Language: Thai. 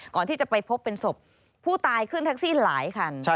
ก่อนที่จะไปพบเป็นศพผู้ตายขึ้นแท็กซี่หลายคัน